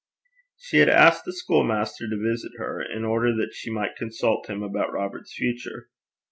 She had asked the school master to visit her, in order that she might consult him about Robert's future.